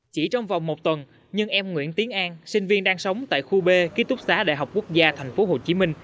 chỉ trong vòng một tuần nhưng em nguyễn tiến an sinh viên đang sống tại khu b ký túc xá đại học quốc gia tp hcm